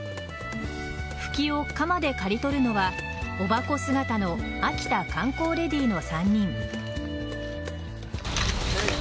フキを鎌で刈り取るのはおばこ姿のあきた観光レディーの３人。